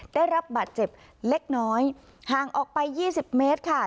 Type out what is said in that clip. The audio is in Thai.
ได้รับบาดเจ็บเล็กน้อยห่างออกไป๒๐เมตรค่ะ